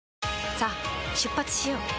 さあ出発しよう。